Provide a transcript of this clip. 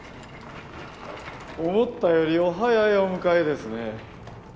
思ったよりお早いお迎えですね。